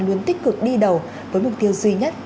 luôn tích cực đi đầu với mục tiêu duy nhất